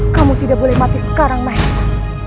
kamu tidak boleh mati sekarang mahesa